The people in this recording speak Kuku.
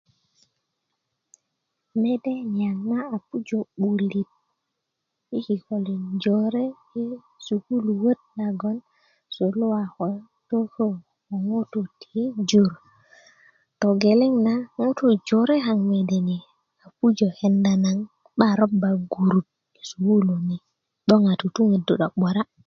mede niyaŋ na a pujö 'bulit yi kikolin jore yi sululuwöt nagon suluwa ko tökö ko ŋutu ti jur togeleŋ na ŋutu jore kaŋ mede ni a pujö kenda nan 'bak roba gurut yi sukulu ni 'boŋ a tutuŋödu 'burak